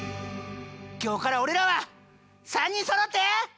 今日から俺らは３人そろって。